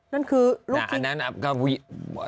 นั่นคือลูกภิกษ์อันนั้นอ่ะ